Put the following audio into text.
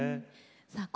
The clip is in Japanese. さあ